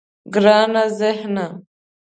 گرانه ذهنه.